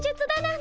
ん？